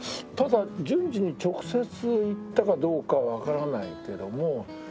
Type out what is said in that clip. ただ純次に直接言ったかどうかはわからないけども。